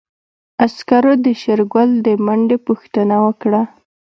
عسکرو د شېرګل د منډې پوښتنه وکړه.